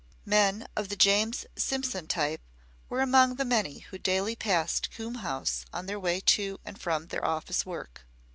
Men of the James Simpson type were among the many who daily passed Coombe House on their way to and from their office work.